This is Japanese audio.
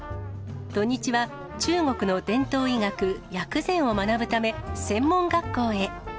土日は中国の伝統医学、薬膳を学ぶため、専門学校へ。